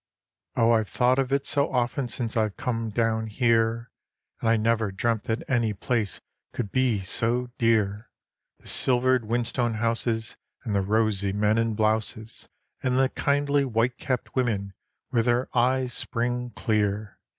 Oh I've thought of it so often since I've come down here; And I never dreamt that any place could be so dear; The silvered whinstone houses, and the rosy men in blouses, And the kindly, white capped women with their eyes spring clear.